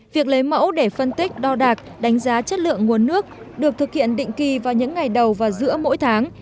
việc lấy mẫu để phân tích đo đạc đánh giá chất lượng nguồn nước được thực hiện định kỳ vào những ngày đầu và giữa mỗi tháng